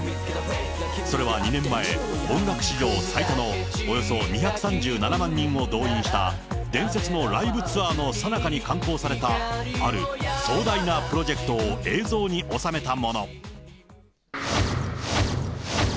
それは２年前、音楽史上最多のおよそ２３７万人を動員した伝説のライブツアーのさなかに敢行されたある壮大なプロジェクトを映像に収めたもの。